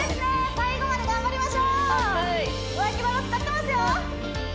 最後まで頑張りましょう脇腹使ってますよ